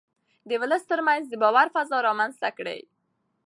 د ولس ترمنځ د باور فضا رامنځته کړئ.